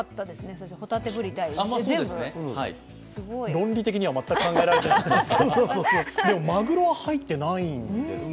論理的には全く考えられてないですけどまぐろは入ってないんですね